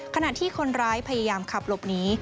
ขณะที่คนร้ายพยายามขับหลบหนี